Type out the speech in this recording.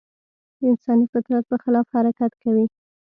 د انساني فطرت په خلاف حرکت کوي.